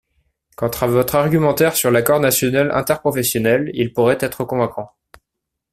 Quant à votre argumentaire sur l’Accord national interprofessionnel, il pourrait être convaincant.